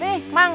ini sih ada apa